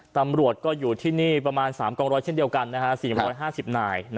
ตำรวจก็อยู่ที่นี่ประมาณ๓กองร้อยเช่นเดียวกัน๔๕๐นาย